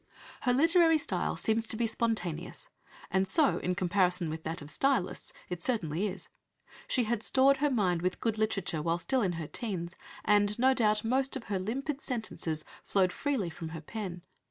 Her literary style seems to be spontaneous, and so, in comparison with that of "stylists," it certainly is. She had stored her mind with good literature while still in her teens, and no doubt most of her limpid sentences flowed freely from her pen.